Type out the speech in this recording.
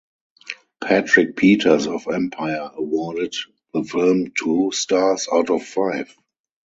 Patrick Peters of "Empire" awarded the film two stars out of five.